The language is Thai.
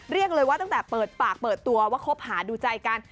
เรียกเลยว่าตั้งแต่เปิดปากเปิดตัวว่าคบหาดูใจกัน